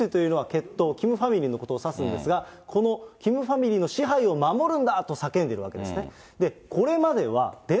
このペクトゥというのは血統、これファミリーを指すんですが、このキムファミリーの支配を守るんだと叫んでいるわけですね。